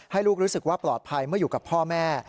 ให้ลูกรู้สึกว่าปลอดภัยเมื่ออยู่กับพ่อแม่